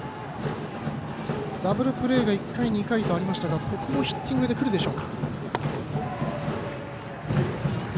ダブルプレーが１回２回とありましたがここもヒッティングでくるでしょうか。